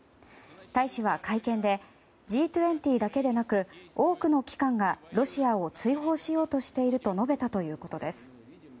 大使は会見でＧ２０だけでなく多くの機関がロシアを追放しようとしていると述べたということです。